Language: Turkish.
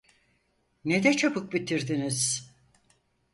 Ne de çabuk bitirdiniz?